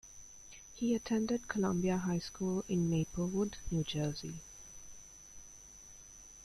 He attended Columbia High School in Maplewood, New Jersey.